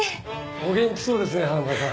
お元気そうですね花村さん。